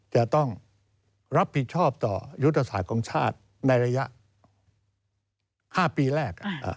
จะต้องรับผิดชอบต่อยุทธศาสตร์ของชาติในระยะ๕ปีแรก